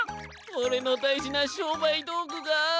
おれのだいじなしょうばいどうぐがっ！